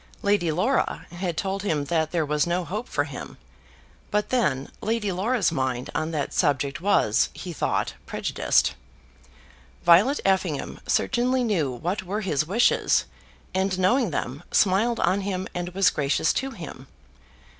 Lady Laura had told him that there was no hope for him; but then Lady Laura's mind on that subject was, he thought, prejudiced. Violet Effingham certainly knew what were his wishes, and knowing them, smiled on him and was gracious to him.